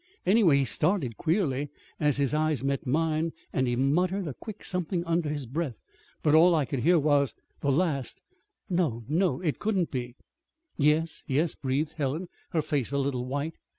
Anyway, he started queerly, as his eyes met mine, and he muttered a quick something under his breath; but all I could hear was the last, 'No, no, it couldn't be!'" "Yes yes!" breathed Helen, her face a little white.